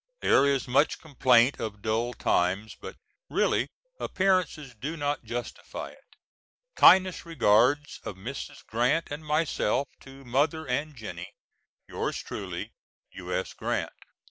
There is much complaint of dull times but really appearances do not justify it. Kindest regards of Mrs. Grant and myself to Mother and Jennie. Yours truly, U.S. GRANT.